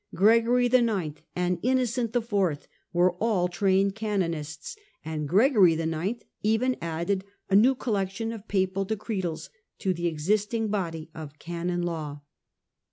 Gregory IX., and Innocent IV. were all trained canonists, and Gregory IX. even added a new collection of papal decretals to the existing body of Canon Law.